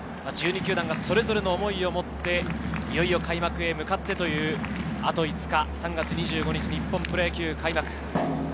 １２球団がそれぞれの思いを持って、いよいよ開幕へ向かってというあと５日、３月２５日、日本プロ野球開幕。